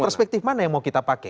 perspektif mana yang mau kita pakai